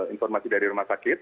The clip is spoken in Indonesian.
informasi dari rumah sakit